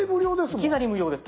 いきなり無料です。